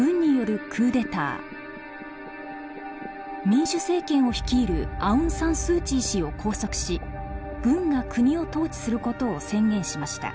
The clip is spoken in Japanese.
民主政権を率いるアウン・サン・スー・チー氏を拘束し軍が国を統治することを宣言しました。